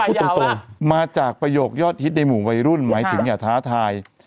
พูดตรงมาจากประโยคยอดฮิตในหมู่วัยรุ่นหมายถึงอย่าท้าทาย